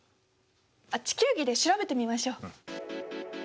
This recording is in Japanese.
あっ地球儀で調べてみましょう。